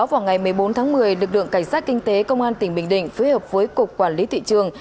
vào ngày một mươi bốn tháng một mươi lực lượng cảnh sát kinh tế công an tỉnh bình định phối hợp với cục quản lý thị trường